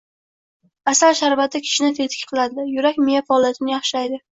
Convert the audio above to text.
Asal sharbati kishini tetik qiladi, yurak, miya faoliyatini yaxshilaydi.